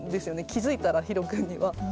気付いたらひろ君には。